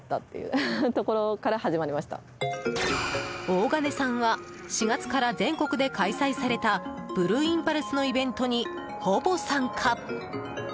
大金さんは４月から全国で開催されたブルーインパルスのイベントにほぼ参加。